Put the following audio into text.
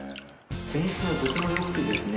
泉質もとても良くてですね